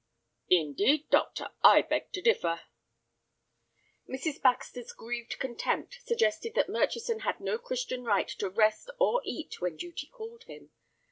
"Indeed, doctor, I beg to differ." Mrs. Baxter's grieved contempt suggested that Murchison had no Christian right to rest or eat when duty called him.